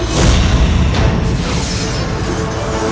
kita harus memastikan mereka mengaku bahwa